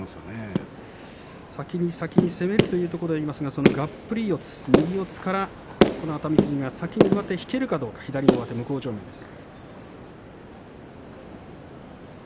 先に先に攻めるということですが、がっぷり四つ右四つから熱海富士が先に引けるかどうか左の上手、向正面です。